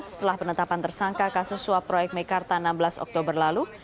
setelah penetapan tersangka kasus suap proyek mekarta enam belas oktober lalu